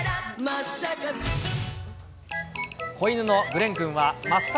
子犬のグレンくんは、マッサ